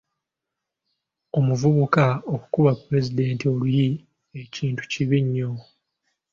Omuvubuka okukuba Pulezidenti oluyi ekintu kibi nnyo.